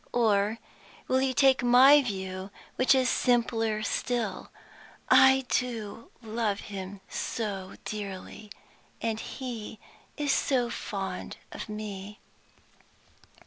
Or will you take my view, which is simpler still? I do love him so dearly, and he is so fond of me!